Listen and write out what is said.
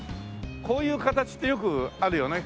こういう形ってよくあるよね。